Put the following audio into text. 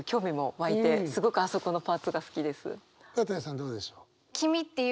どうでしょう？